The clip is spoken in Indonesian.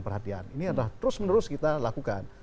perhatian ini adalah terus menerus kita lakukan